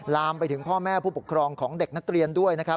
ลามไปถึงพ่อแม่ผู้ปกครองของเด็กนักเรียนด้วยนะครับ